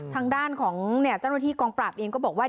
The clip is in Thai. ทางด้านของเจ้าหน้าที่กองปราบเองก็บอกว่า